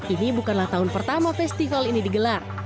ini bukanlah tahun pertama festival ini digelar